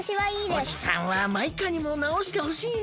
おじさんはマイカにもなおしてほしいな。